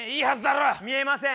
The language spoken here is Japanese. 見えません。